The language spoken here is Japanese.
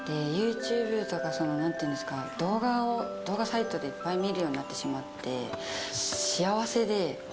ユーチューブとか、そのなんと言うんですか、動画を動画サイトでいっぱい見るようになってしまって。